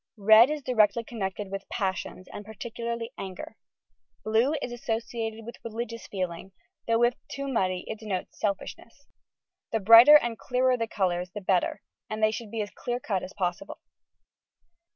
Red is directly connected with passions, and particu larly anger. Blue is associated with religious feeling, though if too muddy it denotes selfishness. The brighter and clearer the colours the better, and they should be as clear cut as possible.